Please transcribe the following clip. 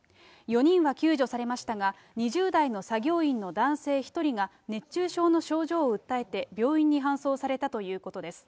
４人は救助されましたが、２０代の作業員の男性１人が、熱中症の症状を訴えて病院に搬送されたということです。